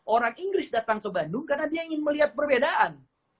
orang inggris datang ke bandung karena dia ingin melihat perbedaan